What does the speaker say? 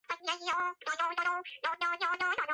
მიეკუთვნება ორლოვის სოფსაბჭოს.